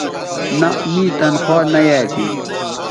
نہء می تنخوا نہ یایئ تھی